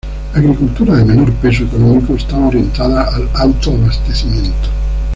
La agricultura, de menor peso económico, estaba orientada al autoabastecimiento.